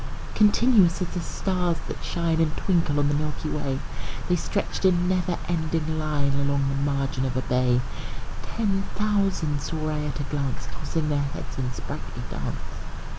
Continuous as the stars that shine And twinkle on the milky way, The stretched in never ending line Along the margin of a bay: Ten thousand saw I at a glance, Tossing their heads in sprightly dance.